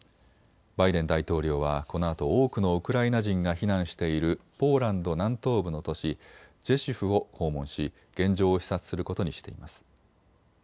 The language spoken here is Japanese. バイデン大統領はこのあと多くのウクライナ人が避難しているポーランド南東部の都市ジェシュフを訪問し現状を視察することにしています。